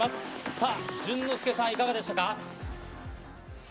さあ、淳之介さん、いかがでしたか？